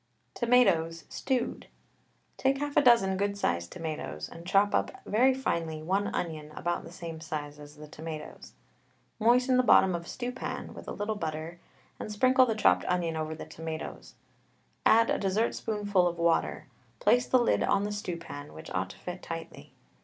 TOMATOES, STEWED. Take half a dozen good sized tomatoes, and chop up very finely one onion about the same size as the tomatoes. Moisten the bottom of a stew pan with a little butter, and sprinkle the chopped onion over the tomatoes. Add a dessertspoonful of water; place the lid on the stewpan, which ought to fit tightly.